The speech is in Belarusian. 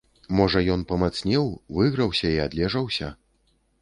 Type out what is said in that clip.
Можа ён памацнеў, выграўся і адлежаўся.